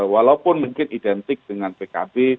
walaupun mungkin identik dengan pkb